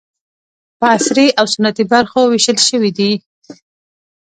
په عصري او سنتي برخو وېشل شوي دي.